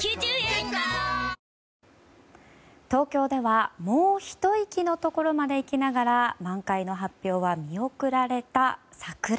東京ではもうひと息のところまで行きながら満開の発表は見送られた、桜。